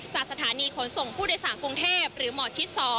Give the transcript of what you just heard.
จากสถานีขนส่งผู้โดยสารกรุงเทพหรือหมอชิด๒